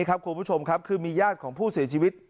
คุณผู้ชมครับคือมีญาติของผู้เสียชีวิต